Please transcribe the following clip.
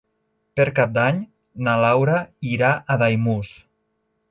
Per Cap d'Any na Laura irà a Daimús.